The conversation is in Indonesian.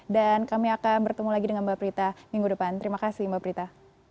dan kami akan bertemu lagi dengan mbak prita minggu depan terima kasih mbak prita